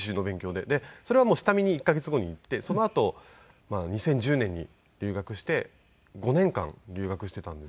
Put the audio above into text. でそれはもう下見に１カ月後に行ってそのあと２０１０年に留学して５年間留学していたんですけど。